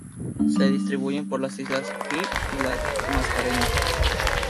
Se distribuyen por las islas Fiyi y las Mascareñas.